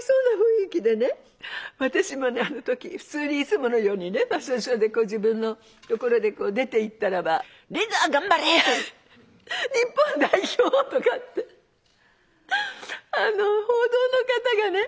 私もあの時普通にいつものようにねファッションショーで自分のところで出ていったらば「リンダ頑張れ日本代表！」とかって報道の方がね